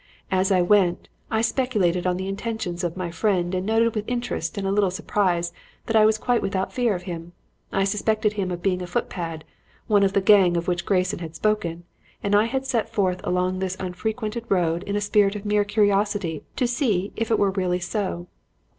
As I went, I speculated on the intentions of my friend and noted with interest and a little surprise that I was quite without fear of him. I suspected him of being a footpad, one of the gang of which Grayson had spoken, and I had set forth along this unfrequented road in a spirit of mere curiosity to see if it were really so.